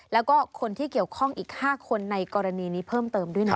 แล้วก็คนที่เกี่ยวข้องอีก๕คนในกรณีนี้เพิ่มเติมด้วยนะ